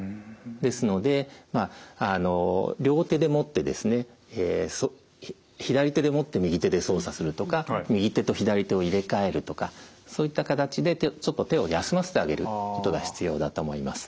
ですので両手で持ってですね左手で持って右手で操作するとか右手と左手を入れ替えるとかそういった形でちょっと手を休ませてあげることが必要だと思います。